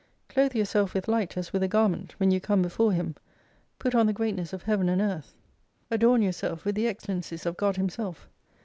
Clothe yourself with Light as with a garment, when you come before Him : put on the greatness of Heaven and Earthi adorn 141 yourself with the excellencies of God Himself.